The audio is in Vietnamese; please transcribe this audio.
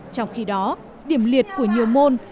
trong khi đó điểm liệt của nhiều môn